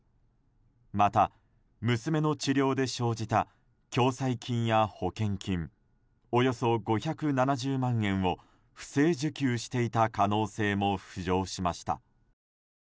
また娘の治療で生じた共済金や保険金、およそ５７０万円を不正受給していた可能性も浮上しました。